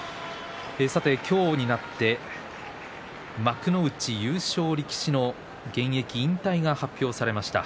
今日になって、幕内優勝力士の現役引退が発表されました。